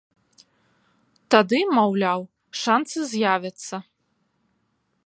Тады, маўляў, шанцы, з'явяцца.